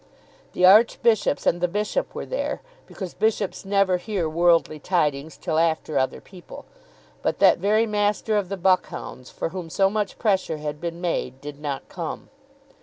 The archbishops and the bishop were there, because bishops never hear worldly tidings till after other people; but that very Master of the Buckhounds for whom so much pressure had been made did not come.